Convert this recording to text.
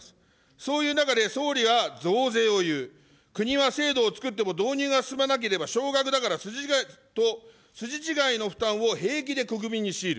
そういう中で、総理は増税を言う、国は制度を作っても導入が進まなければ少額だから筋違いの負担を平気で国民に強いる。